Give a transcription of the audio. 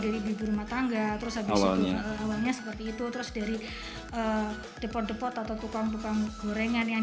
anggap estrogen b bara awalnya seperti itu terus dari depan depan atau tukang tukang gorengan yang